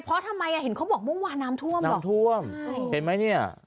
เพราะทำไมอ่ะเห็นเขาบอกเมื่อวานน้ำท่วมอ่ะน้ำท่วมเห็นไหมเนี่ย